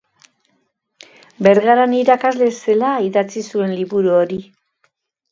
Bergaran irakasle zela idatzi zuen liburu hori.